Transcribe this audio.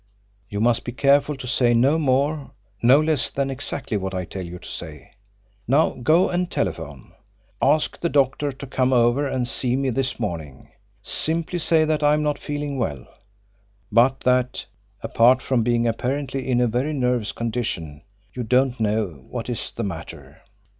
You must be careful to say no more, no less than exactly what I tell you to say. Now go and telephone! Ask the doctor to come over and see me this morning. Simply say that I am not feeling well; but that, apart from being apparently in a very nervous condition, you do not know what is the matter."